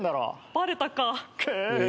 バレたか。